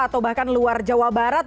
atau bahkan luar jawa barat